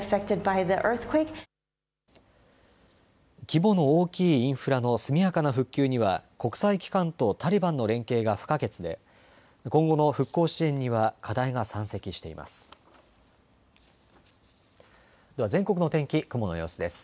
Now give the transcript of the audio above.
規模の大きいインフラの速やかな復旧には国際機関とタリバンの連携が不可欠で今後の復興支援には課題が山積しています。